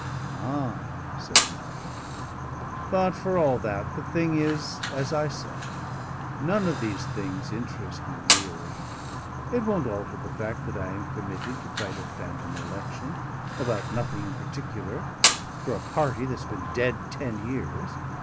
"Ah!" said Melville. "But for all that, the thing is as I said none of these things interest me really. It won't alter the fact that I am committed to fight a phantom election about nothing in particular, for a party that's been dead ten years.